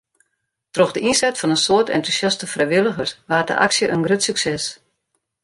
Troch de ynset fan in soad entûsjaste frijwilligers waard de aksje in grut sukses.